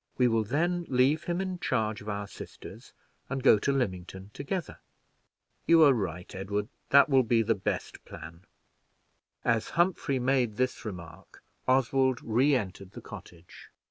We will then leave him in charge of our sisters, and go to Lymington together." "You are right, Edward, that will be the best plan." As Humphrey made this remark, Oswald re entered the cottage.